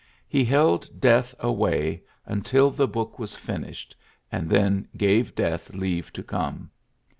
He held death away until the book was finished, and then gave death leave to come.